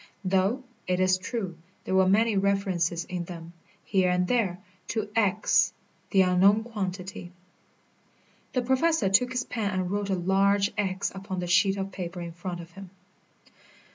Though, it is true, there were many references in them, here and there, to X, the unknown quantity. The Professor took his pen and wrote a large X upon the sheet of paper in front of him.